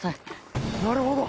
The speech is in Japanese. なるほど！